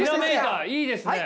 いいですね。